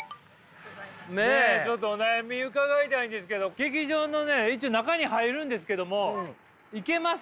ちょっとお悩み伺いたいんですけど劇場の一応中に入るんですけども行けます？